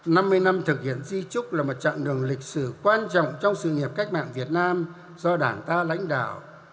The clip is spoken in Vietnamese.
năm mươi năm thực hiện di trúc là một chặng đường lịch sử quan trọng trong sự nghiệp cách mạng việt nam do đảng ta lãnh đạo